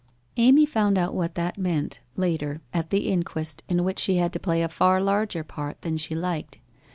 Amy found out what that meant later, at the inquest in which she had to play a far larger part than she liked.